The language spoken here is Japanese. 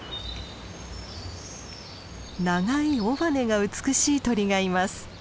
長い尾羽が美しい鳥がいます。